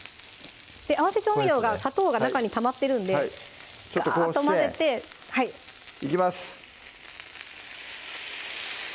合わせ調味料が砂糖が中にたまってるんでちょっとこうしてはいいきます！